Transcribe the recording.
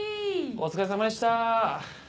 お疲れさまでした。